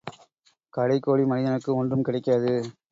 கடை கோடி மனிதனுக்கு ஒன்றும் கிடைக்காது.